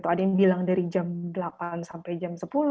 ada yang bilang dari jam delapan sampai jam sepuluh